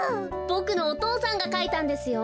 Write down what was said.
ボクのお父さんがかいたんですよ。